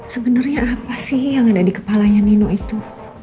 sebenarnya apa sih yang ada di kepalanya nino itu